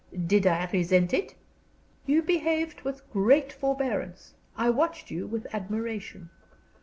Did I resent it?" "You behaved with great forbearance. I watched you with admiration."